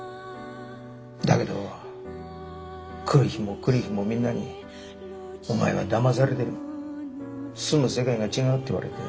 だけど来る日も来る日もみんなに「お前はだまされてる」「住む世界が違う」って言われて。